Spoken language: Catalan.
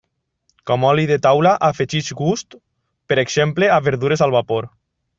Com oli de taula afegeix gust, per exemple a verdures al vapor.